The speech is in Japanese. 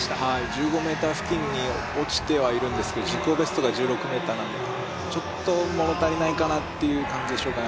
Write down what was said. １５ｍ付近に落ちてはいるんですが、自己ベストが１６ｍなんで、ちょっと物足りないかなという感じですかね、